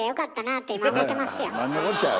なんのこっちゃ。